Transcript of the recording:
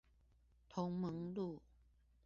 同盟路